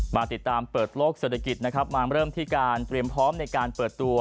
มาติดตามเปิดโลกเศรษฐกิจนะครับมาเริ่มที่การเตรียมพร้อมในการเปิดตัว